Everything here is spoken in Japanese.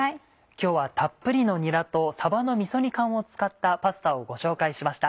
今日はたっぷりのにらとさばのみそ煮缶を使ったパスタをご紹介しました。